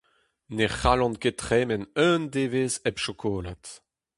Ne c'hallan ket tremen un devezh hep chokolad.